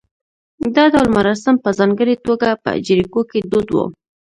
دا ډول مراسم په ځانګړې توګه په جریکو کې دود و